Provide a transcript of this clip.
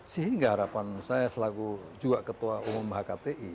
sehingga harapan saya selaku juga ketua umum hkti